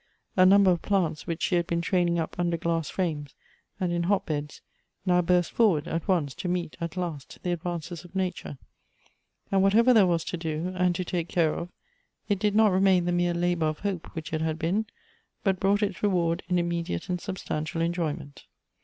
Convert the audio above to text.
A number of plants which she had been training up under glass frames and in hotbeds, now burst forward at once to meet, at last, the advances of nature; and whatever there was to do, and to take care of, it did not remain the mere labor of hope which it had been, but brought its reward in immediate and substantial enjoyment.